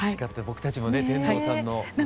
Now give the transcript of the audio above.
僕たちもね天童さんの歌を。